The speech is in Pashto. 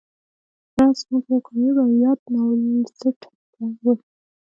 راز زموږ یو کامیاب او یاد ناولسټ و